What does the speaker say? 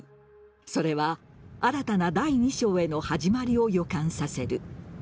それは新たな第２章への始まりを予感させる。